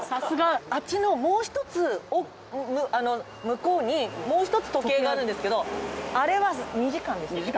あっちのもう一つ向こうにもう一つ時計があるんですけどあれは２時間でしたっけ？